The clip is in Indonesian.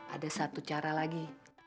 ada satu cara lagi